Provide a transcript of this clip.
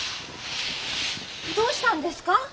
どうしたんですか？